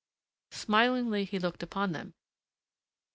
Smilingly he looked upon them.